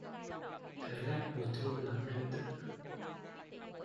Cái lạnh mùa thu làm anh thức giấc